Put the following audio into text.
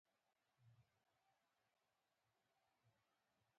ښتې د افغانستان د انرژۍ سکتور برخه ده.